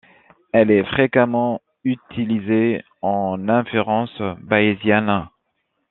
Elle est fréquemment utilisée en inférence bayésienne.